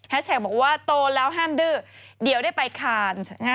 แท็กบอกว่าโตแล้วห้ามดื้อเดี๋ยวได้ไปคาน